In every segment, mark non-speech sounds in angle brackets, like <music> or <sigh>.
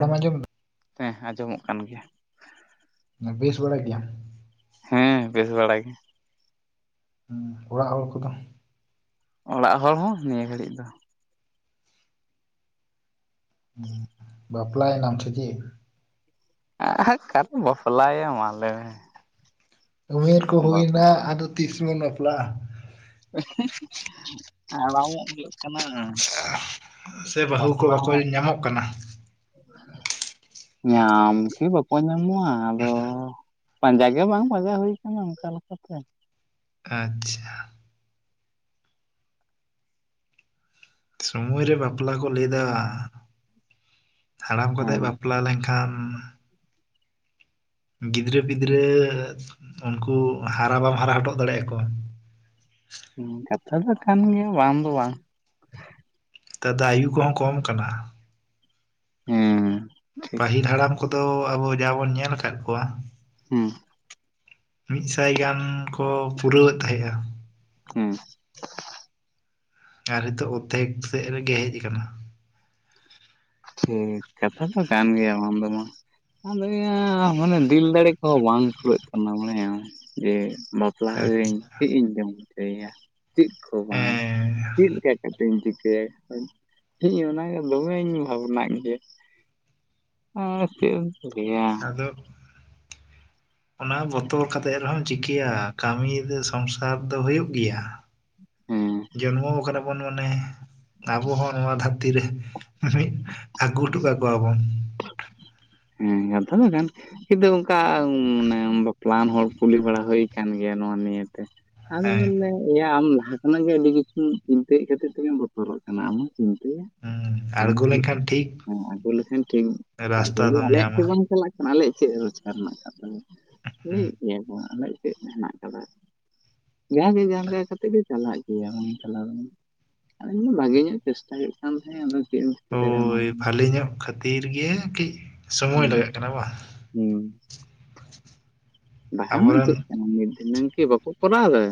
ᱵᱟᱢ ᱟᱸᱡᱚᱢ‌ ᱮᱫᱟ ᱦᱮᱸᱦ ᱟᱸᱡᱚᱢᱚᱜ ᱠᱟᱱ ᱜᱮᱭᱟ᱾ ᱵᱮᱥ ᱵᱟᱲᱟ ᱜᱮᱭᱟᱢ ᱦᱮᱸ ᱵᱮᱥ ᱵᱟᱲᱟ ᱜᱮ᱾ ᱦᱩᱸ ᱚᱲᱟᱜ ᱦᱚᱲ ᱠᱚᱫᱚ ᱚᱲᱟᱜ ᱦᱚᱲ ᱦᱚᱸ ᱱᱤᱭᱟᱹ ᱜᱷᱟᱹᱲᱤᱡ ᱫᱚ᱾ ᱵᱟᱯᱞᱟᱭ ᱮᱱᱟᱢ ᱥᱤ ᱪᱤᱫ ᱟᱸ ᱦᱟᱸᱜ ᱚᱠᱟᱨᱮᱢ ᱵᱟᱯᱞᱟᱜ ᱟᱭᱟ, ᱢᱟ ᱞᱟᱸᱭ ᱢᱮ᱾ ᱩᱢᱮᱨ ᱠᱚ ᱦᱩᱭ ᱵᱟᱯᱞᱟ ᱮᱱᱟ, ᱟᱫᱚ ᱛᱤᱥ <unintelligible> ᱵᱟᱯᱞᱟᱜᱼᱟ᱾ <unintelligible> ᱦᱟᱲᱟᱢᱚᱜ ᱜᱤᱧ ᱦᱮᱸ ᱢᱟ ᱥᱮ ᱵᱟᱹᱦᱩ ᱠᱚ ᱵᱟᱠᱚ ᱦᱚᱸ ᱧᱟᱢᱚᱜ ᱠᱟᱱᱟ ᱧᱟᱢ ᱠᱤ ᱵᱟᱠᱚ ᱧᱟᱢᱚᱜᱼᱟ ᱟᱫᱚ ᱯᱟᱸᱡᱟ ᱜᱮ ᱵᱟᱝ ᱯᱟᱸᱡᱟ ᱦᱩᱭ ᱟᱠᱟᱱᱟ ᱚᱱᱠᱟ ᱞᱮᱠᱟᱛᱮ ᱟᱪᱪᱷᱟ ᱥᱚᱢᱚᱭ ᱨᱮ ᱵᱟᱯᱞᱟ ᱠᱚ ᱞᱟᱹᱭ ᱮᱫᱟ ᱦᱟᱲᱟᱢ ᱠᱟᱛᱮᱜ ᱦᱮᱸ ᱵᱟᱯᱞᱟ ᱞᱮᱱᱠᱷᱟᱱ ᱟᱢ ᱜᱤᱫᱽᱨᱟᱹ ᱯᱤᱫᱽᱨᱟᱹ ᱩᱱᱠᱩ ᱦᱟᱨᱟ ᱵᱟᱢ ᱦᱟᱨᱟ ᱦᱚᱴᱚᱜ ᱫᱟᱲᱮ ᱟᱠᱚᱣᱟ ᱦᱩᱸ ᱠᱟᱛᱷᱟ ᱫᱚ ᱠᱟᱱ ᱜᱮᱭᱟ ᱵᱟᱝ ᱫᱚ ᱵᱟᱝ ᱱᱮᱛᱟᱨ ᱫᱚ ᱟᱭᱩ ᱠᱚᱦᱚᱸ ᱠᱚᱢ ᱟᱠᱟᱱᱟ ᱦᱮᱸ ᱴᱷᱤᱠ ᱯᱟᱹᱦᱤᱞ ᱦᱟᱲᱟᱢ ᱠᱚᱫᱚ ᱟᱵᱚ ᱡᱟᱦᱟᱵᱚᱱ ᱧᱮᱞ ᱟᱠᱟᱫ ᱠᱚᱣᱟ ᱾ ᱦᱩᱸ ᱾ ᱢᱤᱫ ᱥᱟᱭ ᱜᱟᱱ ᱠᱚ ᱯᱩᱨᱟᱹᱣᱮᱫ ᱛᱟᱦᱮᱸᱫ ᱟ ᱾ ᱦᱩᱸᱻ ᱟᱨ ᱦᱤᱛᱚᱜ ᱚᱨᱫᱷᱮᱠ ᱥᱮᱫ ᱨᱮᱜᱮ ᱦᱮᱡ ᱟᱠᱟᱱᱟ ᱾ ᱦᱩᱸ ᱠᱟᱛᱷᱟ ᱫᱚ ᱠᱟᱱ ᱜᱮᱭᱟ ᱵᱟᱝ ᱫᱚ ᱵᱟᱝ ᱾ ᱟᱸᱫᱚᱭᱟ ᱢᱟᱱᱮ ᱫᱤᱞ ᱫᱟᱲᱮ ᱠᱚᱦᱚᱸ ᱵᱟᱝ ᱠᱩᱲᱟᱹᱜ ᱠᱟᱱᱟ ᱵᱟᱲᱟᱭᱟᱢ ᱡᱮ ᱵᱟᱯᱞᱟᱜ ᱟᱪᱪᱷᱟ ᱟᱹᱧ ᱪᱮᱜ ᱤᱧ ᱡᱚᱢ ᱦᱚᱪᱚᱭ ᱭᱟ? ᱪᱮᱫ ᱠᱚ ᱵᱟᱝ ᱦᱮᱸ ᱪᱮᱫ ᱞᱮᱠᱟ ᱠᱟᱛᱤᱧ ᱪᱤᱠᱟᱹᱭᱟ ᱤᱧ ᱚᱱᱟᱜᱮ ᱫᱚᱢᱮᱧ ᱾ ᱟᱵᱚᱱᱟᱜ ᱜᱮ ᱟᱨ ᱪᱮᱫ ᱮᱢ ᱾ ᱫᱮᱭᱟ ᱾ ᱟᱫᱚᱵ ᱾ ᱚᱱᱟ ᱵᱚᱛᱚᱨ ᱠᱟᱛᱮ ᱨᱮᱦᱚᱢ ᱪᱤᱠᱟᱹᱭᱟ ᱠᱟᱹᱢᱤ ᱫᱚ ᱥᱚᱝᱥᱟᱨ ᱫᱚ ᱦᱩᱭᱩᱜ ᱜᱮᱭᱟ ᱾ ᱦᱮᱸ ᱡᱚᱱᱢᱚ ᱠᱟᱱᱟ ᱵᱚᱱ ᱢᱟᱱᱮ ᱟᱵᱚ ᱦᱚᱸ ᱱᱚᱣᱟ ᱫᱷᱟᱹᱨᱛᱤ ᱨᱮ ᱾ ᱢᱤᱫ ᱟᱹᱜᱩ ᱦᱚᱴᱚ ᱠᱚᱣᱟ ᱵᱚᱱ ᱾ ᱦᱮᱸ ᱠᱟᱛᱷᱟ ᱫᱚ ᱠᱟᱱ ᱦᱤᱛ ᱫᱚ ᱚᱱᱠᱟ ᱢᱟᱱᱮ ᱵᱟᱯᱞᱟ ᱟᱱ ᱦᱚᱲ ᱠᱩᱞᱤ ᱵᱟᱲᱟ ᱦᱩᱭ ᱟᱠᱟᱱ ᱜᱮᱭᱟ ᱱᱚᱣᱟ ᱱᱤᱭᱟᱹᱛᱮ ᱾ ᱟᱫᱚ ᱦᱮᱸ ᱵᱚᱞᱮ ᱾ ᱮᱭᱟ ᱟᱢ ᱞᱟᱦᱟ ᱠᱷᱚᱱᱟᱜ ᱜᱮ ᱟᱹᱰᱤ ᱠᱤᱪᱷᱩᱢ ᱪᱤᱱᱛᱟᱹᱭᱮᱫ ᱠᱷᱟᱹᱤᱨ ᱛᱮᱜᱮᱢ ᱵᱚᱛᱚᱨᱚᱜ ᱠᱟᱱᱟ ᱟᱞᱚᱢ ᱪᱤᱱᱛᱟᱹᱭᱟ ᱾ ᱦᱚᱭ ᱟᱬᱜᱚ ᱪᱮᱫ ᱞᱮᱱᱠᱷᱟᱱ ᱴᱷᱤᱠ ᱦᱚᱸ ᱟᱰᱳ ᱞᱮᱠᱷᱟᱱ ᱠᱷᱮᱞ ᱨᱟᱥᱛᱟ ᱯᱟᱹᱭᱞᱟᱹ ᱫᱚᱢ ᱟᱞᱮᱭᱟᱜ ᱠᱤ ᱧᱟᱢᱟ ᱵᱟᱝ ᱪᱟᱞᱟᱜ ᱠᱟᱱᱟ ᱟᱞᱮᱭᱟᱜ ᱪᱮᱫ ᱨᱳᱡᱽᱜᱟᱨ ᱢᱮᱱᱟᱜ ᱟᱠᱟᱫ ᱛᱟᱞᱮᱭᱟ ᱦᱮᱸ ᱞᱟᱹᱭᱮᱫ ᱜᱮᱭᱟ ᱠᱚ ᱾ ᱪᱮᱫ ᱢᱮᱱᱟᱜ ᱠᱟᱫᱟ ᱡᱟᱦᱟᱜᱮ ᱡᱟᱦᱟ ᱞᱮᱠᱟ ᱠᱟᱛᱮᱫ ᱜᱮ ᱪᱟᱞᱟᱜ ᱜᱮᱭᱟ ᱵᱟᱝ ᱪᱟᱞᱟᱣ ᱞᱮᱱ ᱾ ᱢᱮᱱᱫᱟᱹᱧ ᱵᱷᱟᱜᱮ ᱧᱚᱜ ᱪᱮᱥᱴᱟ ᱦᱩᱭᱩᱜ ᱠᱟᱱ ᱛᱟᱦᱮᱜ ᱟᱫᱚ ᱪᱮᱫ ᱮᱢ ᱾ ᱳᱭ ᱵᱷᱟᱹᱞᱤ ᱧᱚᱜ ᱠᱷᱟᱹᱛᱤᱨ ᱜᱮ ᱠᱟᱹᱡ ᱥᱚᱢᱚᱭ ᱦᱩᱸ ᱞᱟᱜᱟᱜ ᱠᱟᱱᱟ ᱵᱟ᱾ ᱦᱩᱸ ᱾ ᱵᱟᱠᱷᱟᱱ ᱫᱚ ᱟᱵᱚᱨᱮᱱ ᱪᱮᱫ ᱠᱟᱱᱟ ᱢᱤᱫ ᱫᱷᱤᱱᱟᱝ ᱠᱤ ᱵᱟᱠᱚ ᱠᱚᱨᱟᱣᱫᱟ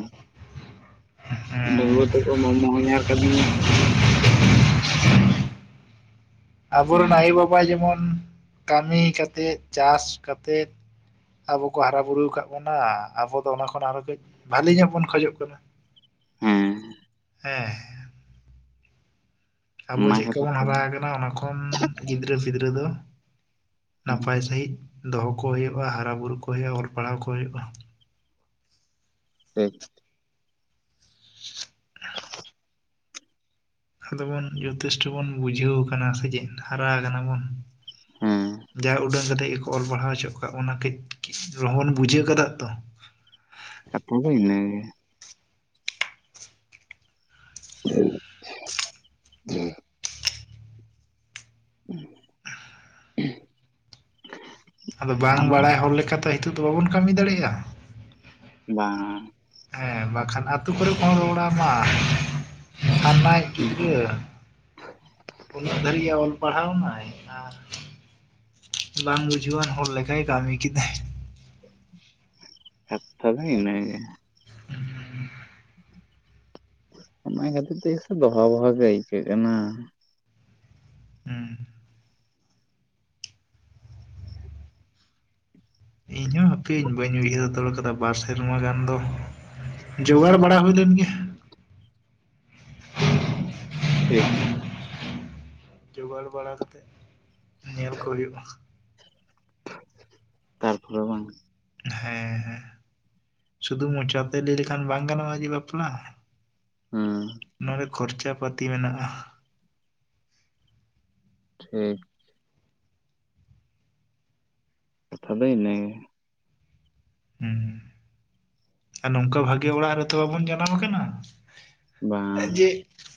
᱾ ᱰᱟᱺᱜᱩᱣᱟ ᱛᱮᱠᱚ ᱢᱟᱢᱳ ᱦᱚᱧᱦᱟᱨ ᱠᱟᱹᱫᱤᱧ ᱟᱠᱚ ᱾ ᱟᱵᱚᱨᱮᱱ ᱦᱮᱸ ᱟᱭᱳ ᱵᱟᱵᱟ ᱡᱮᱢᱚᱱ ᱠᱟᱹᱢᱤ ᱠᱟᱛᱮᱜ ᱪᱟᱥ ᱠᱟᱛᱮᱫ ᱾ ᱟᱵᱚ ᱠᱚ ᱦᱟᱨᱟ ᱵᱩᱨᱩ ᱟᱠᱟᱫ ᱵᱚᱱᱟ ᱟᱵᱚᱫᱚ ᱚᱱᱟ ᱠᱷᱚᱱ ᱟᱨᱦᱚᱸ ᱠᱟᱹᱡ ᱵᱟᱹᱞᱤ ᱧᱚᱜ ᱵᱚᱱ ᱠᱷᱚᱡᱚᱜ ᱠᱟᱱᱟ ᱾ ᱦᱩᱸᱻ ᱾ ᱦᱮᱸᱻ ᱟᱵᱚ ᱚᱱᱟ ᱪᱮᱫᱠᱟ ᱠᱷᱟᱹᱛᱤᱨ ᱵᱚᱱ ᱛᱮ ᱦᱟᱨᱟ ᱟᱠᱟᱱᱟ ᱚᱱᱟ ᱠᱷᱚᱱ ᱜᱤᱫᱽᱨᱟᱹ ᱯᱤᱫᱽᱨᱟᱹ ᱫᱚ ᱾ ᱦᱮᱸ ᱱᱟᱯᱟᱭ ᱥᱟᱹᱦᱤᱡ ᱫᱚᱦᱚ ᱠᱚ ᱦᱩᱭᱩᱜ ᱟ ᱦᱟᱨᱟ ᱵᱩᱨᱩ ᱠᱚ ᱦᱩᱭᱩᱜ ᱟ ᱚᱞ ᱯᱟᱲᱦᱟᱣ ᱠᱚ ᱦᱩᱭᱩᱜ ᱟ ᱾ ᱴᱷᱮᱠ ᱾ <unintelligible> ᱟᱫᱚ ᱵᱚᱱ ᱡᱚᱛᱷᱮᱥᱴᱚ ᱵᱚᱱ ᱵᱩᱡᱷᱟᱹᱣ ᱠᱟᱱᱟ ᱥᱮ ᱪᱮᱫ ᱦᱟᱨᱟ ᱠᱟᱱᱟ ᱵᱚᱱ ᱦᱮᱸ ᱾ ᱡᱟ ᱩᱰᱟᱹᱝ ᱠᱟᱛᱮ ᱜᱮᱠ ᱚᱞ ᱯᱟᱲᱟᱣ ᱦᱚᱪᱚ ᱠᱚᱜ ᱟᱠᱚ <inaudible> ᱵᱚᱱᱟ ᱴᱷᱤᱠ ᱠᱤᱥᱤ ᱨᱮᱸᱦᱚ ᱵᱚᱱ ᱵᱩᱡᱷᱟᱹᱣ ᱠᱟᱫᱟ ᱛᱚ ᱠᱟᱛᱷᱟ ᱫᱚ ᱤᱱᱟᱹᱜᱮ ᱾ ᱦᱮᱸ <inaudible> <inaudible> ᱟᱫᱚ ᱵᱟᱝ ᱵᱟᱲᱟᱭ ᱦᱚᱲ ᱞᱮᱠᱟᱛᱮ ᱱᱤᱛᱚᱜ ᱫᱚ ᱵᱟᱵᱚᱱ ᱠᱟᱹᱢᱤ ᱫᱟᱲᱮᱭᱟᱜ ᱟ ᱾ ᱵᱟᱝ ᱾ ᱦᱮᱸ ᱵᱟᱝ ᱠᱷᱟᱱ ᱟᱹᱛᱩ ᱠᱚᱨᱮ ᱠᱚ ᱨᱚᱲᱟ ᱢᱟ ᱾ ᱠᱷᱟᱱᱫᱟᱭᱤᱡ ᱦᱩᱸ ᱜᱤᱫᱽᱨᱟᱹ ᱩᱱᱟᱹᱜ ᱫᱷᱟᱹᱨᱤᱡ ᱮ ᱚᱞ ᱯᱟᱲᱦᱟᱣᱱᱟᱭ ᱟᱨ ᱾ ᱵᱟᱝ ᱵᱩᱡᱷᱟᱹᱣᱟᱱ ᱦᱚᱲ ᱞᱮᱠᱟᱭ ᱠᱟᱹᱢᱤ ᱠᱮᱫᱟ᱾ ᱠᱟᱛᱷᱟ ᱫᱚ ᱤᱱᱟᱹ ᱜᱮ ᱾ ᱚᱱᱟ ᱠᱷᱟᱹᱛᱤᱨ ᱛᱮ ᱥᱮ ᱫᱚᱦᱟ ᱵᱚᱭᱦᱟ ᱜᱮ ᱟᱹᱭᱠᱟᱹᱜ ᱠᱟᱱᱟ ᱾ ᱦᱩᱸ ᱤᱧ ᱦᱚ ᱦᱟᱯᱮᱧ ᱵᱟᱹᱧ ᱩᱭᱦᱟᱹᱨ ᱦᱟᱛᱟᱲ ᱟᱠᱟᱫᱟ ᱵᱟᱨ ᱥᱮᱨᱢᱟ ᱜᱟᱱ ᱫᱚ ᱾ ᱡᱚᱜᱟᱲ ᱵᱟᱲᱟ ᱦᱩᱭ ᱞᱮᱱ ᱜᱮ ᱴᱷᱤᱠ ᱡᱚᱜᱟᱲ ᱵᱟᱲᱟ ᱠᱟᱛᱮᱫ ᱧᱮᱞ ᱠᱚ ᱦᱩᱭᱩᱜ-ᱟ᱾ ᱛᱟᱨᱯᱚᱨᱮ ᱵᱟᱝ ᱦᱮᱸ ᱦᱮᱸ ᱥᱩᱫᱩ ᱢᱚᱪᱟ ᱛᱮ ᱞᱟᱹᱭ ᱞᱮᱠᱷᱟᱱ ᱵᱟᱝ ᱜᱟᱱᱚᱜ-ᱟ ᱡᱮ ᱵᱟᱯᱞᱟ ᱦᱮᱸ ᱱᱚᱰᱮ ᱠᱷᱚᱨᱪᱟ ᱯᱟᱹᱛᱤ ᱢᱮᱱᱟᱜ-ᱟ᱾ ᱴᱷᱤᱠ ᱠᱟᱛᱷᱟ ᱫᱚ ᱤᱱᱟᱹ ᱜᱮ ᱦᱮᱸ ᱟᱨ ᱱᱚᱝᱠᱟ ᱵᱷᱟᱜᱮ ᱚᱲᱟᱜ ᱨᱮᱛᱚ ᱵᱟᱵᱚᱱ ᱡᱟᱱᱟᱢ ᱠᱟᱱᱟ᱾ ᱵᱟᱝ ᱡᱮ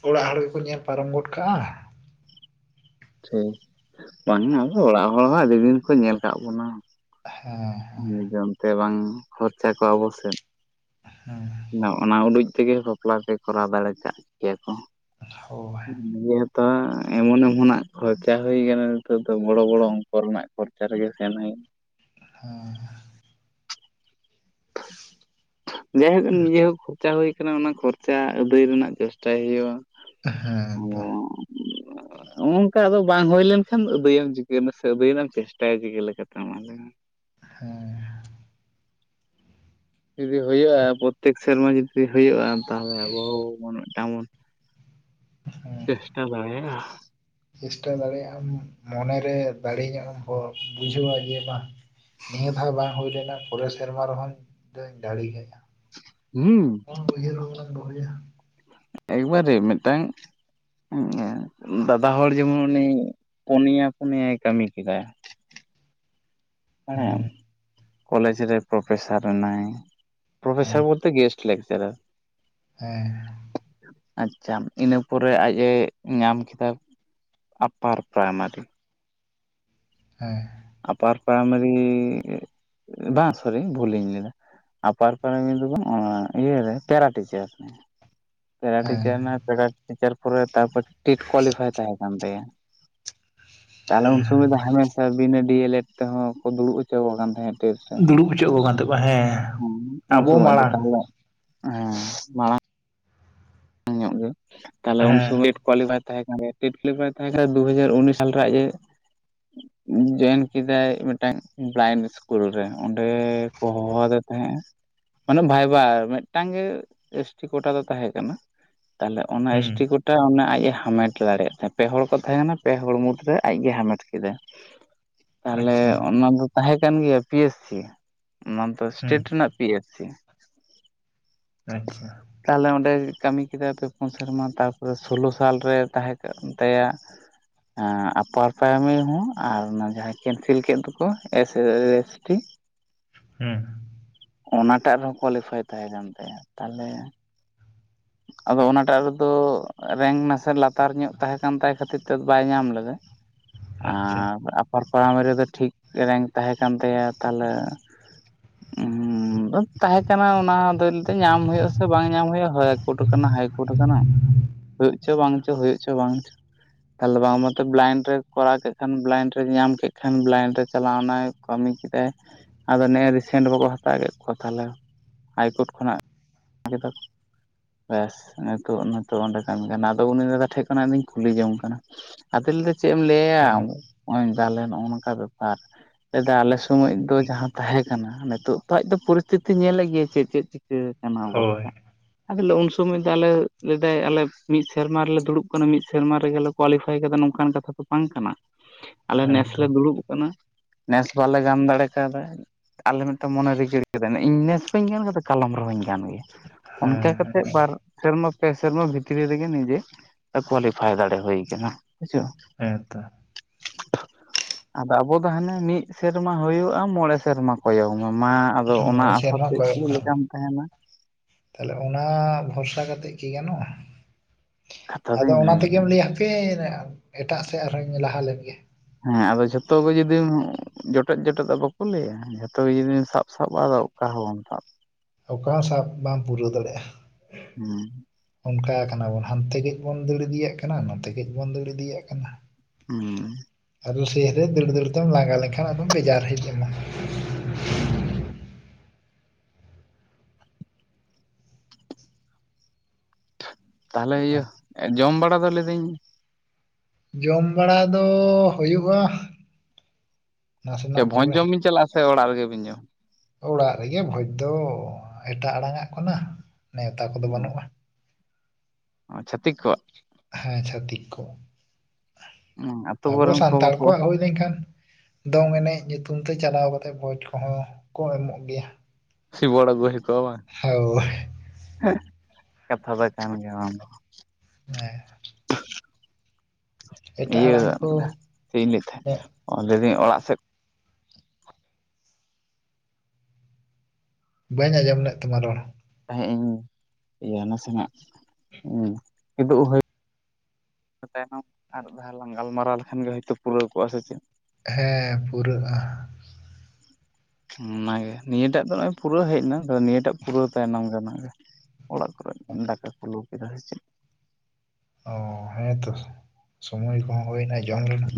ᱚᱲᱟᱜ ᱦᱚᱲ ᱜᱮᱠᱚ ᱧᱮᱞ ᱯᱟᱨᱚᱢ ᱜᱚᱫ ᱠᱟᱜ-ᱟ᱾ ᱴᱷᱤᱠ ᱵᱟᱝ ᱟᱫᱚ ᱚᱲᱟᱜ ᱦᱚᱲ ᱦᱚᱸ ᱟᱹᱰᱤ ᱫᱤᱱ ᱠᱚ ᱧᱮᱞ ᱠᱟᱜ ᱵᱚᱱᱟ ᱦᱮᱸ ᱦᱮᱸ <unintelligible> ᱵᱟᱝ ᱠᱷᱚᱨᱪᱟ ᱠᱚ ᱟᱵᱚ ᱥᱮᱫ ᱦᱩᱸ ᱚᱱᱟ ᱩᱰᱩᱡ ᱛᱮᱜᱮ ᱵᱟᱯᱞᱟ ᱛᱮ ᱠᱚᱨᱟᱣ ᱫᱟᱲᱮ ᱠᱟᱜ ᱜᱮᱭᱟ ᱠᱚ᱾ ᱦᱳᱭ ᱛᱚ ᱮᱢᱚᱱ-ᱚᱱᱟᱜ ᱠᱷᱚᱨᱪᱟ ᱦᱩᱭ ᱠᱟᱱᱟ ᱱᱤᱛᱚᱜ ᱫᱚ ᱵᱚᱲᱚ ᱵᱚᱲᱚ ᱚᱝᱠᱚ ᱨᱮᱱᱟᱜ ᱠᱷᱚᱨᱪᱟ ᱨᱮᱜᱮ ᱥᱮᱱ ᱦᱩᱭ ᱦᱩ ᱡᱟᱭᱦᱳᱠ ᱱᱤᱡᱮ ᱦᱳᱠ ᱠᱷᱚᱨᱪᱟ ᱦᱩᱭ ᱠᱟᱱᱟ ᱚᱱᱟ ᱠᱷᱚᱨᱪᱟ ᱟᱹᱫᱟᱹᱭ ᱨᱮᱱᱟᱜ ᱪᱮᱥᱴᱟᱭ ᱦᱩᱭᱩᱜ-ᱟ᱾ ᱦᱮᱸ ᱦᱮᱸ ᱛᱚ <inaudible> ᱱᱚᱜ ᱱᱚᱝᱠᱟ ᱟᱫᱚ ᱵᱟᱝ ᱦᱩᱭ ᱞᱮᱱᱠᱷᱟᱱ ᱟᱹᱫᱟᱹᱭ ᱟᱢ ᱪᱤᱠᱟᱹᱱᱟ ᱥᱮ ᱟᱹᱫᱟᱹᱭ ᱨᱮᱱᱟᱜ ᱮᱢ ᱪᱮᱥᱴᱟᱭᱟ ᱪᱤᱠᱟᱹ ᱞᱮᱠᱟᱛᱮ ᱢᱟ ᱞᱟᱹᱭ ᱢᱮ᱾ ᱦᱮᱸ ᱡᱩᱫᱤ ᱦᱩᱭᱩᱜ-ᱟ ᱯᱨᱚᱛᱮᱠ ᱥᱮᱨᱢᱟ ᱡᱩᱫᱤ ᱦᱩᱭᱩᱜ-ᱟ ᱛᱟᱦᱚᱞᱮ ᱟᱵᱚᱱ ᱢᱤᱫ ᱴᱟᱝ ᱵᱚᱱ ᱦᱮᱸ ᱪᱮᱥᱴᱟ ᱫᱟᱲᱮᱭᱟᱜ-ᱟ᱾ ᱪᱮᱥᱴᱟ ᱫᱟᱲᱮᱭᱟᱜ ᱟᱢ ᱢᱚᱱᱮ ᱨᱮ ᱫᱟᱲᱮ ᱧᱚᱜ ᱮᱢ ᱦᱚ ᱵᱩᱡᱷᱟᱹᱣᱟ ᱡᱮ ᱵᱟᱝ ᱱᱤᱭᱟᱹ ᱫᱷᱟᱜ ᱵᱟᱝ ᱦᱩᱭ ᱞᱮᱱᱟ ᱯᱚᱨᱮ ᱥᱮᱨᱢᱟ ᱨᱮᱦᱚᱸᱧ ᱫᱟᱲᱮ ᱜᱮᱭᱟ᱾ ᱦᱩᱸ ᱵᱚᱱ ᱫᱚᱦᱚᱭᱟ ᱩᱭᱦᱟᱨ ᱵᱷᱟᱵᱱᱟ ᱮᱠᱵᱟᱨᱮ ᱢᱤᱫ ᱴᱟᱝ ᱫᱟᱫᱟ ᱦᱚᱲ ᱡᱮᱢᱚᱱ ᱩᱱᱤ ᱯᱚᱱᱭᱟ ᱯᱩᱱᱭᱟᱭ ᱠᱟᱹᱢᱤ ᱠᱮᱫᱟᱭ᱾ ᱦᱮ ᱦᱮᱸ ᱠᱚᱞᱮᱡᱽ ᱨᱮ ᱯᱨᱯᱷᱮᱥᱟᱨ ᱱᱟᱭ ᱦᱮᱸ ᱯᱨᱯᱷᱮᱥᱟᱨ ᱵᱚᱞᱛᱮ ᱜᱮᱥᱴ <unintelligible> ᱦᱮᱸ ᱟᱪᱪᱷᱟ ᱤᱱᱟᱹ ᱯᱚᱨᱮ ᱟᱡ ᱮ ᱧᱟᱢ ᱠᱮᱫᱟ ᱟᱯᱟᱨ ᱯᱨᱟᱭᱢᱟᱨᱤ ᱦᱮᱸ ᱟᱯᱟᱨ ᱯᱨᱟᱭᱢᱟᱨᱤ ᱵᱟᱝ ᱥᱚᱨᱤ ᱵᱷᱩᱞᱤᱧ ᱞᱟᱹᱭ ᱟᱫᱟ ᱟᱯᱟᱨ ᱯᱨᱟᱭᱢᱟᱨᱤ ᱫᱚ ᱵᱟᱝ ᱚᱱᱟ ᱤᱭᱟᱹᱨᱮ ᱯᱮᱨᱟ ᱴᱤᱪᱟᱨ ᱦᱮ ᱯᱮᱨᱟ ᱦᱮᱸ ᱴᱤᱪᱟᱨ ᱱᱟᱭ ᱯᱮᱨᱟ ᱴᱤᱪᱟᱨ ᱯᱚᱨᱮ ᱛᱟᱨᱯᱚᱨ ᱴᱮᱴ ᱠᱳᱣᱟᱞᱤᱯᱷᱟᱭ ᱛᱟᱦᱮ ᱠᱟᱱ ᱛᱟᱭᱟ ᱛᱟᱦᱚᱞᱮ ᱩᱱ ᱦᱮᱸ ᱥᱚᱢᱚᱭ ᱫᱚ ᱦᱟᱢᱮᱥᱟ ᱵᱤᱱᱟᱹ ᱰᱤ ᱮᱞ ᱮᱰ ᱛᱮᱦᱚ ᱠᱚ ᱫᱩᱲᱩᱵ ᱦᱚᱪᱚᱣᱟᱠᱟᱱ ᱛᱟᱦᱮᱫ 'ᱥᱚᱭ' ᱫᱩᱲᱩᱵ ᱦᱚᱪᱚ ᱠᱚ ᱠᱟᱱ ᱛᱟᱠᱚᱣᱟ ᱦᱮᱸ ᱟᱵᱚ <unintelligible> ᱫᱚ ᱢᱟᱲᱟᱝ ᱛᱟᱦᱚᱞᱮ ᱦᱮ ᱢᱟᱲᱟ ᱧᱚᱜ ᱜᱮ ᱛᱟᱦᱚᱞᱮ ᱩᱱ ᱦᱮᱸ ᱥᱚᱢᱚᱭ ᱠᱳᱣᱟᱞᱤᱯᱷᱟᱭ ᱛᱟᱦᱮ ᱠᱟᱱᱟ ᱴᱮᱴ ᱠᱣᱟᱞᱤᱯᱷᱟᱭ ᱛᱟᱦᱮ ᱠᱟᱱᱟ ᱫᱩ ᱦᱟᱡᱟᱨ ᱩᱱᱤᱥ ᱥᱟᱞ ᱨᱮ ᱟᱡ-ᱮ <inaudible> ᱡᱚᱭᱮᱱ ᱠᱮᱫᱟᱭ ᱢᱤᱫᱴᱟᱝ ᱵᱨᱟᱭᱤᱢ ᱤᱥᱠᱩᱞ ᱨᱮ ᱚᱸᱰᱮ ᱠᱚ ᱦᱚᱦᱚ ᱫᱮ ᱛᱟᱦᱮ-ᱟ᱾ ᱢᱟᱱᱮ ᱵᱷᱟᱭᱵᱟ ᱢᱤᱫᱴᱟᱝ ᱜᱮ ᱮᱥ ᱴᱤ ᱠᱳᱴᱟ ᱫᱚ ᱛᱟᱦᱮ ᱠᱟᱱᱟ ᱛᱟᱦᱚᱞᱮ ᱚᱱᱟ ᱮᱥ ᱦᱩᱸ ᱴᱤ ᱠᱳᱴᱟ ᱴᱟ ᱚᱱᱟ ᱟᱡ ᱮ ᱦᱟᱢᱮᱴ ᱫᱟᱲᱮᱭᱟᱜ ᱛᱟᱦᱮ ᱯᱮ ᱦᱚᱲ ᱠᱚ ᱛᱟᱦᱮ ᱠᱟᱱᱟ ᱯᱮ ᱦᱚᱲ ᱢᱩᱫᱽᱨᱮ ᱟᱡ ᱜᱮ ᱦᱟᱢᱮᱴ ᱠᱮᱫᱟ᱾ <inaudible> ᱛᱟᱦᱚᱞᱮ ᱟᱪᱪᱷᱟ ᱚᱱᱟ ᱫᱚ ᱛᱟᱦᱮ ᱠᱟᱱ ᱜᱮᱭᱟ ᱯᱤ ᱮᱥ ᱥᱤ ᱱᱟᱣᱟ ᱫᱚ ᱦᱩᱸ ᱥᱴᱮᱴ ᱨᱮᱱᱟᱜ ᱯᱤ ᱮᱯ ᱥᱤ ᱟᱪᱪᱷᱟ ᱛᱟᱦᱞᱮ ᱚᱸᱰᱮ ᱠᱟᱢᱤ ᱠᱮᱫᱟᱭ ᱯᱮ ᱯᱩᱱ ᱥᱮᱨᱢᱟ ᱛᱟᱨᱯᱚᱨᱮ ᱥᱳᱞᱳ ᱥᱟᱞ ᱨᱮ ᱛᱟᱦᱮ ᱠᱟᱱ ᱛᱟᱭᱟ ᱟᱯᱟᱨ ᱯᱨᱟᱭᱢᱟᱨᱤ ᱦᱚ ᱟᱨ ᱚᱱᱟ ᱡᱟᱦᱟ ᱠᱮᱱᱥᱮᱞ ᱠᱮᱫ ᱫᱚ ᱠᱚ ᱮᱥ ᱮ ᱥᱮ ᱴᱤ ᱦᱩᱸ ᱚᱱᱟ ᱴᱟᱜ ᱨᱮᱦᱚ ᱠᱳᱣᱟᱞᱤᱯᱷᱟᱭ ᱛᱟᱦᱮ ᱠᱟᱱ ᱛᱟᱭᱟ ᱛᱟᱦᱚᱞᱮ ᱟᱫᱚ ᱚᱱᱟᱴᱟᱜ ᱨᱮ ᱫᱚ ᱨᱮᱝ ᱱᱟᱥᱮ ᱞᱟᱛᱟᱨ ᱧᱚᱜ ᱛᱟᱦᱮ ᱠᱟᱱ ᱛᱟᱭ ᱠᱷᱟᱛᱤᱨ ᱛᱮ ᱫᱚ ᱵᱟᱭ ᱧᱟᱢ ᱞᱮᱫᱟ ᱟᱪᱪᱷᱟ ᱟᱨ ᱟᱯᱟᱚᱨ ᱯᱨᱟᱭᱢᱟᱨᱤ ᱨᱮ ᱴᱷᱤᱠ ᱨᱮᱝᱠ ᱛᱟᱦᱮ ᱠᱟᱱ ᱛᱟᱭᱟ ᱛᱟᱦᱚᱞᱮ ᱩᱦ ᱛᱟᱦᱮ ᱠᱟᱱᱟ ᱚᱱᱟ ᱫᱚ ᱞᱟᱹᱭ ᱫᱟ ᱧᱟᱢ ᱦᱩᱭᱩᱜᱼᱟ ᱥᱮ ᱵᱟᱝ ᱧᱟᱢ ᱦᱩᱭᱩᱜᱼᱟ ᱠᱳᱴ ᱠᱟᱱᱟ ᱦᱟᱭ ᱠᱳᱴ ᱠᱟᱱᱟ ᱦᱩᱭᱩᱜ ᱪᱚ ᱵᱟᱝ ᱪᱚ ᱦᱩᱭᱩᱜ ᱪᱚ ᱵᱟᱝ ᱪᱚ ᱮᱞᱵᱟᱢ ᱢᱟᱛᱚ ᱵᱞᱟᱭᱤᱱᱰ ᱨᱮᱭ ᱠᱚᱨᱟᱣ ᱠᱮᱫ ᱠᱷᱟᱱ ᱵᱞᱟᱭᱤᱱᱰ ᱨᱮᱭ ᱧᱟᱢ ᱠᱮᱫ ᱠᱷᱟᱱ ᱵᱞᱟᱭᱤᱱᱰ ᱨᱮ ᱪᱟᱞᱟᱣ ᱮᱱᱟᱭ ᱠᱟᱢᱤ ᱠᱮᱫᱟᱭ ᱟᱫᱚ ᱱᱮᱜᱼᱮ ᱨᱤᱥᱮᱱᱴ ᱵᱟᱠᱚ ᱦᱟᱛᱟᱣ ᱠᱮᱫ ᱠᱚᱣᱟ ᱛᱟᱦᱞᱮ ᱦᱟᱭᱠᱳᱨᱴ ᱠᱷᱚᱱᱟᱜ ᱜᱮᱛᱚᱜ ᱵᱮᱥ ᱱᱤᱛᱚᱜ ᱱᱤᱛᱚᱜ ᱚᱸᱰᱮ ᱠᱟᱢᱤ ᱠᱟᱱᱟ ᱟᱫᱚ ᱩᱱᱤ ᱫᱟᱫᱟ ᱴᱷᱮᱱ ᱠᱷᱚᱱᱟᱜ ᱟᱫᱚᱧ ᱠᱩᱞᱤ ᱡᱚᱝ ᱠᱟᱱᱟ ᱟᱫᱚ ᱞᱟᱹᱭ ᱫᱟ ᱪᱮᱫ ᱮᱢ ᱞᱟᱹᱭᱟ ᱭᱟ ᱦᱮᱸ ᱱᱚᱜᱼᱚᱭ ᱛᱟᱦᱞᱮ ᱱᱚᱜᱼᱚ ᱱᱚᱝᱠᱟ ᱵᱮᱯᱟᱨ ᱮᱫᱟ ᱟᱞᱮ ᱥᱚᱢᱚᱭ ᱫᱚ ᱡᱟᱦᱟ ᱛᱟᱦᱮ ᱠᱟᱱᱟ ᱱᱤᱛᱚᱜ ᱛᱚ ᱟᱪ ᱛᱚ ᱯᱚᱨᱤᱥᱛᱷᱤᱛᱤ ᱧᱮᱞᱮᱫ ᱜᱮᱟᱭ ᱪᱮᱫ ᱪᱮᱫ ᱪᱤᱠᱟᱹ ᱠᱟᱱᱟ ᱦᱳᱭ ᱚᱵᱚᱥᱛᱷᱟ ᱟᱫᱚᱞᱮ ᱩᱱ ᱥᱚᱢᱚᱭ ᱫᱚ ᱟᱞᱮ ᱞᱟᱹᱭ ᱫᱟᱭ ᱟᱞᱮ ᱢᱤᱫ ᱥᱮᱨᱢᱟ ᱨᱮ ᱞᱮ ᱫᱩᱲᱩᱵ ᱠᱟᱱᱟ ᱢᱤᱫ ᱥᱮᱨᱢᱟ ᱨᱮ ᱜᱮᱞᱮ ᱠᱳᱣᱞᱤᱯᱷᱟᱭ ᱠᱟᱫᱟ ᱱᱚᱝᱠᱟᱱ ᱠᱟᱛᱷᱟ ᱫᱚ ᱵᱟᱝ ᱠᱟᱱᱟ ᱟᱞᱮ ᱱᱮᱥ ᱦᱮᱸᱛᱚ ᱞᱮ ᱫᱩᱲᱩᱵ ᱠᱟᱱᱟ ᱱᱮᱥ ᱵᱟᱞᱮ ᱜᱟᱱ ᱫᱟᱲᱮ ᱠᱟᱣᱫᱟ ᱟᱞᱮ ᱢᱤᱫᱴᱮᱱ ᱢᱚᱱᱮ ᱨᱤᱠᱤᱨ ᱠᱟᱫᱟ ᱤᱧ ᱱᱮᱥ ᱵᱟᱹᱧ ᱜᱟᱱ ᱠᱟᱫᱟ ᱠᱟᱞᱚᱢ ᱨᱮ ᱦᱚᱧ ᱜᱟᱱ ᱜᱮᱭᱟ ᱦᱮᱸ ᱚᱱᱠᱟ ᱦᱮᱸ ᱠᱟᱛᱮᱫ ᱵᱟᱨ ᱥᱮᱨᱢᱟ ᱯᱮ ᱥᱮᱨᱢᱟ ᱵᱷᱤᱛᱨᱤ ᱨᱮ ᱜᱮ ᱱᱤᱡᱮ ᱠᱳᱣᱟᱞᱤᱯᱷᱟᱭ ᱫᱟᱲᱮ ᱦᱩᱭ ᱠᱟᱱᱟ ᱵᱩᱡᱷᱟᱹᱣ ᱦᱩᱸᱛᱚ ᱟᱫᱚ ᱟᱵᱚ ᱫᱚ ᱦᱟᱱᱮ ᱢᱤᱫ ᱥᱮᱨᱢᱟ ᱦᱩᱭᱩᱜᱼᱟ ᱢᱚᱬᱮ ᱥᱮᱨᱢᱟ ᱠᱚᱭᱚᱜ ᱢᱮ ᱢᱟ ᱟᱫᱚ ᱚᱱᱟ ᱢᱚᱬᱮ ᱟᱥᱟ ᱥᱮᱨᱢᱟ ᱛᱮ ᱠᱚᱭᱚᱜ ᱪᱮᱫ ᱠᱟᱜ ᱢᱮ ᱞᱮᱠᱟᱢ ᱛᱟᱦᱮᱱᱟ ᱛᱟᱦᱞᱮ ᱚᱱᱟ ᱵᱷᱚᱨᱥᱟ ᱠᱟᱛᱮᱫ ᱠᱤ ᱜᱟᱱᱚᱜᱼᱟ ᱠᱟᱛᱷᱟ ᱫᱚ ᱟᱫᱚ ᱚᱱᱟ ᱤᱱᱟᱹᱜᱮ ᱛᱮᱜᱮᱢ ᱠᱟᱱᱟ ᱞᱟᱹᱭᱟ ᱦᱟᱯᱮ ᱮᱴᱟᱜ ᱥᱮᱫ ᱟᱨᱦᱚᱧ ᱞᱟᱦᱟᱞᱮᱱ ᱜᱮ ᱦᱮᱸ ᱟᱫᱚ ᱡᱷᱚᱛᱚ ᱜᱮᱢ ᱡᱩᱫᱤᱢ ᱡᱚᱴᱮᱫ ᱡᱚᱴᱮᱫ ᱟᱜ ᱵᱟᱠᱚ ᱞᱟᱹᱭᱟ ᱡᱷᱚᱛᱚ ᱜᱮ ᱡᱩᱫᱤᱢ ᱥᱟᱵ ᱥᱟᱵᱼᱟ ᱟᱫᱚ ᱚᱠᱟ ᱦᱚ ᱵᱟᱢ ᱥᱟᱵ ᱚᱠᱟ ᱥᱟᱵ ᱵᱟᱢ ᱯᱩᱨᱟᱹᱣ ᱫᱟᱲᱮᱭᱟᱜᱼᱟ ᱦᱩᱸ ᱚᱱᱠᱟᱣ ᱠᱟᱱᱟ ᱵᱚᱱ ᱦᱟᱱᱛᱮ ᱠᱟᱹᱪ ᱵᱚᱱ ᱫᱟᱹᱲ ᱤᱫᱤᱭᱟᱜ ᱠᱟᱱᱟ ᱱᱚᱛᱮ ᱠᱟᱹᱪ ᱵᱚᱱ ᱫᱟᱹᱲ ᱤᱫᱤᱭᱟᱜ ᱠᱟᱱᱟ ᱦᱩᱸ ᱟᱫᱚ ᱥᱮᱥ ᱫᱟᱹᱲ ᱫᱟᱹᱲ ᱛᱮᱢ ᱞᱟᱜᱟ ᱞᱮᱱᱠᱷᱟᱱ ᱟᱫᱚᱢ ᱵᱮᱡᱟᱨ ᱦᱮᱡ ᱮᱱᱟ ᱦᱩᱸ ᱛᱟᱦᱚᱞᱮ ᱤᱭᱟᱹ ᱡᱚᱢ ᱵᱟᱲᱟ ᱫᱚ ᱞᱟᱹᱭᱫᱟᱹᱧ ᱡᱚᱢ ᱵᱟᱲᱟ ᱫᱚ ᱻ ᱦᱩᱭᱩᱜᱼᱟ ᱥᱮ ᱱᱟᱥᱮᱱᱟᱜ ᱵᱷᱚᱡ ᱯᱚᱨᱮ ᱡᱚᱢ ᱵᱤᱱ ᱪᱟᱞᱟᱜᱼᱟ ᱥᱮ ᱚᱲᱟᱜ ᱨᱮᱜᱮᱵᱤᱱ ᱡᱚᱢ ᱚᱲᱟᱜ ᱨᱮᱜᱮ ᱵᱷᱚᱡᱽ ᱫᱚ ᱮᱴᱟᱜ ᱟᱲᱟᱝᱼᱜ ᱠᱟᱱᱟ ᱱᱮᱣᱛᱟ ᱠᱚᱫᱚ ᱡᱚᱢᱟ ᱵᱟᱹᱱᱩᱜᱼᱟ ᱪᱷᱟᱹᱛᱤᱠ ᱠᱚᱣᱟᱜ ᱦᱮᱸ ᱪᱷᱷᱟᱹᱛᱤᱠ ᱠᱚ ᱟᱛᱳ ᱟᱵᱚ ᱠᱚᱨᱮᱱ ᱠᱚ ᱥᱟᱱᱛᱟᱲ ᱵᱟᱠᱚ ᱠᱚᱣᱟᱜ ᱦᱩᱭ ᱦᱩᱭ ᱞᱮᱱᱠᱷᱟᱱ ᱫᱚᱝ ᱮᱱᱮᱡ ᱧᱩᱛᱩᱢ ᱛᱮ ᱪᱟᱞᱟᱣ ᱠᱟᱛᱮ ᱢᱚᱡᱽ ᱠᱚᱦᱚᱸ ᱠᱚ ᱮᱢᱚᱜ ᱜᱮᱭᱟ ᱥᱤᱵᱚᱲ ᱟᱜᱩ ᱦᱩᱭ ᱠᱚ ᱟ ᱵᱟᱝ ᱦᱳᱭ <unintelligible> ᱠᱟᱛᱷᱟ ᱫᱚᱭ ᱛᱟᱦᱮ ᱞᱮᱱ ᱜᱮᱭᱟ ᱵᱟᱝ ᱫᱚ ᱦᱮᱸ ᱮᱴᱟᱜ ᱤᱭᱟᱹ ᱟᱲᱟᱝ ᱠᱚ ᱪᱮᱫ ᱤᱧ ᱞᱟᱹᱭ ᱛᱟᱦᱮᱫ ᱩᱱᱟᱹᱜ ᱞᱟᱹᱭᱫᱟᱹᱧ ᱚᱲᱟᱜ ᱥᱮᱫ ᱵᱟᱹᱧ ᱟᱸᱡᱚᱢ ᱞᱮᱫ ᱛᱟᱢᱟ ᱨᱚᱲ ᱛᱟᱸᱦᱮ ᱤᱧ ᱤᱭᱟᱹ ᱱᱟᱥᱮᱱᱟᱜ ᱠᱤᱫᱩᱵ ᱦᱩᱭ <unintelligible> ᱟᱨ ᱡᱟᱫ ᱫᱷᱟᱳ ᱞᱟᱝ ᱜᱟᱞᱢᱟᱨᱟᱣ ᱞᱮᱠᱷᱟᱱ ᱜᱮ ᱦᱳᱭᱛᱳ ᱯᱩᱨᱟᱹᱣ ᱠᱚᱜᱼᱟ ᱥᱮ ᱪᱮᱫ ᱦᱮᱸ ᱯᱩᱨᱟᱹᱜᱼᱟ <unintelligible> ᱚᱱᱟᱜᱮ ᱱᱤᱭᱟᱹᱴᱟᱜ ᱫᱚ ᱱᱚᱭ ᱯᱩᱨᱟᱹᱣ ᱦᱮᱡ ᱮᱱᱟ ᱱᱤᱭᱟᱹ ᱴᱟᱜ ᱯᱩᱨᱟᱹᱣ ᱛᱟᱭᱱᱚᱢ ᱜᱮ ᱚᱲᱟᱜ ᱠᱚᱨᱮ ᱫᱟᱠᱟ ᱠᱚ ᱞᱩ ᱠᱮᱫᱟ ᱥᱮ ᱪᱮᱫ ᱚ ᱦᱮᱸᱛᱚ ᱥᱚᱢᱚᱭ ᱠᱚᱦᱚᱸ ᱦᱩᱭᱱᱟ ᱡᱚᱢ ᱨᱮᱱᱟᱜ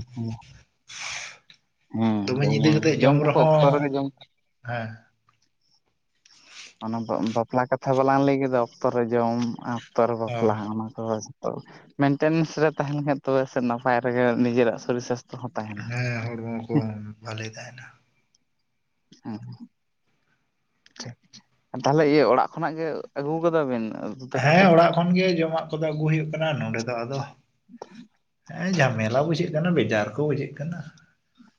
ᱦᱮᱸ ᱫᱚᱢᱮ ᱧᱤᱫᱟᱹ ᱡᱚᱢᱟ ᱠᱟᱛᱮᱫ ᱡᱚᱢ ᱠᱚᱦᱚᱸ ᱨᱮᱦᱚᱸ ᱚᱠᱛᱚ ᱨᱮᱜᱮ ᱡᱚᱢ ᱦᱮᱸ ᱚᱱᱟ ᱵᱟᱯᱞᱟ ᱠᱟᱛᱷᱟ ᱵᱟᱞᱟᱝ ᱞᱟᱹᱭ ᱠᱮᱫᱟ ᱚᱠᱛᱚᱨ ᱨᱮ ᱡᱚᱢ ᱚᱠᱛᱚᱨ ᱨᱮ ᱚ ᱵᱟᱯᱞᱟ ᱚᱱᱟ ᱦᱳᱭ ᱛᱚ ᱢᱮᱱᱴᱮᱱᱮᱱᱥ ᱨᱮ ᱛᱟᱦᱮ ᱞᱮᱱ ᱠᱷᱟᱱ ᱛᱚᱵᱮ ᱱᱟᱯᱟᱭ ᱨᱮᱜᱮ ᱱᱤᱡᱮᱨᱟᱜ ᱥᱚᱨᱤᱨ ᱥᱟᱥᱛᱷᱚ ᱦᱚᱸ ᱛᱟᱦᱮᱱᱟ ᱦᱮᱸ ᱦᱚᱲᱢᱚ ᱠᱚ ᱵᱷᱟᱹᱞᱤ ᱛᱟᱦᱮᱱᱟ ᱦᱮᱸ ᱛᱟᱦᱚᱞᱮ ᱤᱭᱟᱹ ᱚᱲᱟᱜ ᱠᱷᱚᱱᱟᱜ ᱜᱮ ᱟᱹᱜᱩ ᱠᱟᱫᱟ ᱵᱤᱱ ᱩᱛᱩ ᱫᱟᱠᱟ ᱦᱮᱸ ᱠᱚᱫᱚ? ᱚᱲᱟᱜ ᱠᱷᱚᱱ ᱜᱮ ᱡᱚᱢᱟᱜ ᱠᱚᱫᱚ ᱟᱹᱜᱩ ᱦᱩᱭᱩᱜ ᱠᱟᱱᱟ ᱱᱚᱰᱮ ᱫᱚ ᱟᱫᱚ ᱦᱮᱸ ᱡᱷᱟᱢᱮᱞᱟ ᱵᱩᱡᱷᱟᱹᱜ ᱠᱟᱱᱟ ᱵᱮᱡᱟᱨ ᱠᱚ ᱵᱩᱡᱷᱟᱹᱜ ᱠᱟᱱᱟ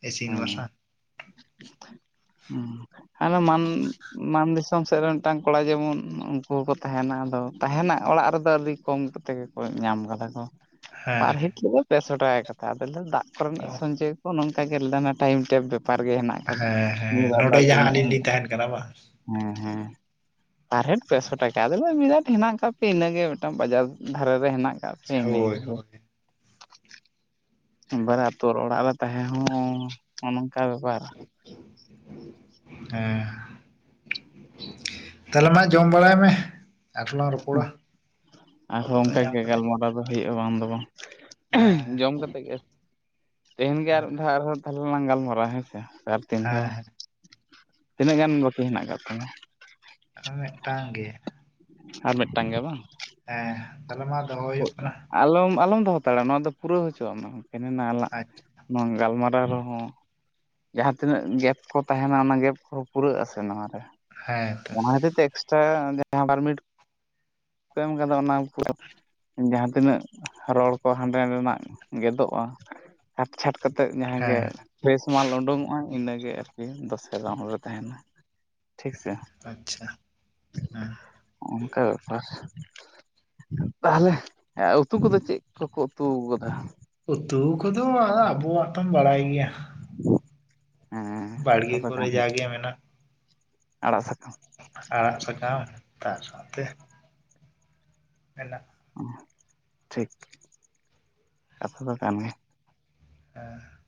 ᱤᱥᱤᱱ ᱦᱮᱸ ᱵᱟᱥᱟᱝ ᱦᱮᱸ ᱦᱟᱱᱮ ᱢᱟᱱ ᱢᱟᱱ ᱫᱤᱥᱚᱢ ᱥᱮᱫ ᱨᱮ ᱢᱤᱫᱴᱟᱝ ᱠᱚᱲᱟ ᱡᱮᱢᱚᱱ ᱩᱱᱠᱩ ᱦᱚᱸᱠᱚ ᱛᱟᱦᱮᱱᱟ ᱟᱫᱚ ᱛᱟᱦᱮᱱᱟᱜ ᱚᱲᱟᱜ ᱨᱮᱫᱚ ᱟᱹᱰᱤ ᱠᱚᱢᱛᱮ ᱜᱮᱠᱚ ᱧᱟᱢ ᱠᱟᱫᱟ ᱠᱚ ᱦᱮᱸ ᱯᱟᱨ ᱦᱮᱴ ᱫᱚ ᱯᱮᱥᱚ ᱴᱟᱠᱟ ᱠᱟᱛᱷᱟ ᱟᱫᱚ ᱫᱟᱜ ᱠᱚᱨᱮᱱᱟᱜ ᱥᱚᱧᱪᱚᱭ ᱠᱚ ᱱᱚᱝᱠᱟ <unintelligible> ᱞᱮᱫᱟ ᱴᱟᱭᱤᱢ ᱴᱮᱵ ᱵᱮᱯᱟᱨ ᱜᱮ ᱦᱮᱱᱟᱜ ᱟᱠᱟᱫᱟ ᱦᱮᱸ ᱦᱮᱸ ᱫᱟᱜ ᱫᱚ ᱱᱚᱰᱮ ᱟᱹᱜᱩ ᱡᱟᱦᱟᱸ ᱧᱚᱜ ᱟᱹᱞᱤᱧ ᱞᱤᱧ ᱦᱩᱭᱩᱜᱼᱟ ᱛᱟᱦᱮᱱ ᱠᱟᱱᱟ ᱵᱟᱝ ᱦᱮᱸ ᱦᱮᱸ ᱯᱟᱨ ᱦᱮᱴ ᱯᱮᱥᱚ ᱴᱟᱠᱟ ᱟᱫᱚᱞᱮ ᱵᱤᱨᱟᱴ ᱦᱮᱱᱟᱜ ᱠᱮᱫ ᱯᱮᱭᱟ ᱤᱱᱟᱹ ᱜᱮ ᱢᱤᱫᱴᱟᱝ ᱵᱟᱡᱟᱨ ᱫᱷᱟᱨᱮ ᱨᱮ ᱦᱮᱱᱟᱜ ᱠᱟᱜ ᱯᱮ ᱤᱱᱟᱹ ᱦᱳᱭ ᱦᱳᱞᱳ ᱦᱳᱭ <unintelligible> ᱟᱛᱩ ᱚᱲᱟᱜ ᱨᱮ ᱛᱟᱦᱮᱸ ᱦᱚᱸ ᱱᱚᱝᱠᱟ ᱵᱮᱯᱟᱨ ᱦᱮᱸ ᱛᱟᱦᱚᱞᱮ ᱢᱟ ᱡᱚᱢ ᱵᱟᱲᱟᱭ ᱢᱮ ᱟᱨᱦᱚᱞᱟᱝ ᱨᱚᱯ ᱟᱨᱦᱚᱸ ᱚᱱᱠᱟᱜᱮ ᱠᱟᱛᱮᱜ ᱜᱟᱞᱢᱟᱨᱟᱣ ᱦᱩᱭᱩᱜᱼᱟ ᱵᱟᱝ ᱫᱚ ᱵᱟᱝ ᱦᱮᱸ ᱡᱚᱢ ᱠᱟᱛᱮ ᱜᱮ ᱛᱮᱦᱮᱧ ᱜᱮ ᱟᱨ ᱦᱮᱸ ᱢᱤᱫ ᱫᱷᱟᱣ ᱟᱨᱦᱚᱸ ᱛᱟᱦᱚᱞᱮ ᱞᱟᱝ ᱜᱟᱞᱢᱟᱨᱟᱣᱟ ᱦᱮᱸ ᱥᱮ ᱟᱨ ᱛᱤᱱ ᱫᱷᱟᱣ ᱦᱮᱸ ᱛᱤᱱᱟᱹᱜ ᱜᱟᱱ ᱵᱟᱹᱠᱤ ᱦᱮᱱᱟᱜ ᱠᱟᱫ ᱛᱟᱢᱟ ᱟᱨ ᱢᱤᱫᱴᱟᱝ ᱜᱮ ᱟᱨ ᱢᱤᱫᱴᱟᱝ ᱜᱮ ᱵᱟᱝ ᱦᱮᱸ ᱛᱟᱦᱚᱞᱮ ᱢᱟ ᱫᱚᱦᱚ ᱦᱩᱭᱩᱜ ᱠᱟᱱᱟ ᱟᱞᱚᱢ ᱟᱞᱚᱢ ᱫᱚᱦᱚ ᱦᱟᱛᱟᱲᱮᱭᱟᱜᱼᱟ ᱱᱚᱣᱟ ᱫᱚ ᱯᱩᱨᱟᱹᱣ ᱦᱚᱪᱚᱣᱟᱜᱼᱟ ᱢᱮ ᱠᱮᱱᱮ ᱱᱟ ᱟᱞᱟᱜ ᱟᱪᱪᱷᱟ ᱱᱚᱣᱟ ᱜᱟᱞᱢᱟᱨᱟᱣ ᱨᱮᱦᱚᱸ ᱡᱟᱦᱟᱸ ᱛᱤᱱᱟᱹᱜ ᱜᱮᱯ ᱠᱚ ᱛᱟᱦᱮᱱᱟ ᱚᱱᱟ ᱜᱮᱯ ᱠᱚᱦᱚᱸ ᱯᱩᱨᱟᱹᱜ ᱟᱥᱮ ᱱᱚᱣᱟ ᱨᱮ ᱦᱮᱸ ᱛᱚ ᱚᱱᱟ ᱠᱷᱛᱤᱨ ᱛᱮ ᱥᱮ ᱡᱟᱦᱟᱸ ᱵᱷᱟᱨᱚ ᱢᱤᱱᱤᱴ ᱠᱚ ᱮᱢ ᱠᱟᱫᱟ ᱚᱱᱟ <unintelligible> ᱡᱟᱦᱟᱸ ᱛᱤᱱᱟᱹᱜ ᱨᱚᱲ ᱠᱚ ᱦᱟᱸᱰᱮ ᱱᱟᱰᱮᱱᱟᱜ ᱜᱮᱫᱚᱜᱼᱟ ᱦᱟᱜᱠᱟᱡ ᱠᱟᱴ ᱪᱷᱟᱴ ᱠᱟᱛᱮᱫ ᱡᱟᱦᱟᱸ ᱦᱮᱸ ᱜᱮ ᱯᱷᱨᱮᱥ ᱢᱟᱞ ᱩᱰᱩᱝᱚᱜᱼᱟ ᱤᱱᱟᱹᱜᱮ ᱟᱨᱠᱤ ᱫᱚᱥᱮ ᱜᱟᱱ ᱨᱮ ᱛᱟᱦᱮᱱ ᱟ ᱴᱷᱤᱠ ᱥᱮ ᱟᱪᱪᱷᱟ ᱦᱮᱸ ᱚᱱᱠᱟ ᱵᱮᱯᱟᱨ, ᱛᱟᱦᱚᱞᱮ ᱩᱛᱩ ᱠᱚᱫᱚ ᱪᱮᱫ ᱠᱚᱠᱚ ᱩᱛᱩ ᱟᱠᱟᱫᱟ? ᱩᱛᱩ ᱠᱚᱫᱚ ᱟᱵᱚᱣᱟᱜ ᱛᱚᱢ ᱵᱟᱲᱟᱭ ᱜᱮᱭᱟ᱾ ᱦᱮᱸ ᱠᱟᱛᱷᱟ ᱵᱟᱲᱜᱮ ᱫᱚ ᱠᱚᱨᱮ ᱠᱟᱱ ᱜᱮᱭᱟ ᱡᱟᱜᱮ ᱢᱮᱱᱟᱜ᱾ ᱟᱲᱟᱜ ᱥᱟᱠᱟᱢ, ᱟᱲᱟᱜ ᱥᱟᱠᱟᱢ ᱛᱟᱨ ᱥᱟᱶᱛᱮ ᱦᱮᱸᱱᱟᱜ ᱴᱷᱤᱠ, ᱠᱟᱛᱷᱟ ᱫᱚ ᱠᱟᱱ ᱜᱮᱭᱟ ᱚ